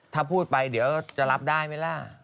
ถ้าพูดไปเดี๋ยวจะรับได้ไหมล่ะ